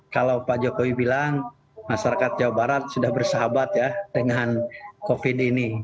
kalau pak jokowi bilang masyarakat jawa barat sudah bersahabat ya dengan covid ini